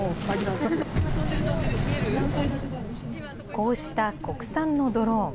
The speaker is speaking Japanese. こうした国産のドローン。